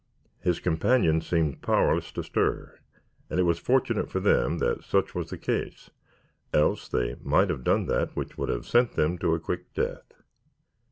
His companions seemed powerless to stir, and it was fortunate for them that such was the case, else they might have done that which would have sent them to a quick death.